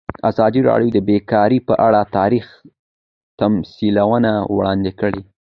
ازادي راډیو د بیکاري په اړه تاریخي تمثیلونه وړاندې کړي.